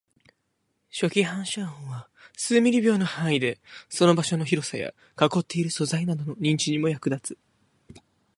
初期反射音は数ミリ秒の範囲で、その場所の広さや囲っている素材などの認知にも役立つ